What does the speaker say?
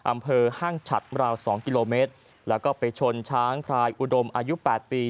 อำเภอห้างฉัดราว๒กิโลเมตรแล้วก็ไปชนช้างพลายอุดมอายุ๘ปี